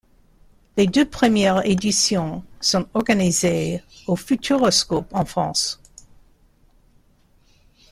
Les deux premières éditions sont organisées au Futuroscope en France.